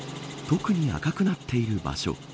特に赤くなっている場所。